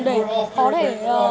để có thể